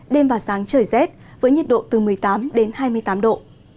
đêm và sáng trời rét với nhiệt độ từ một mươi tám đến hai mươi tám độ